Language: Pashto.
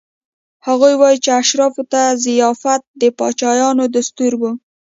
هغه وايي چې اشرافو ته ضیافت د پاچایانو دستور و.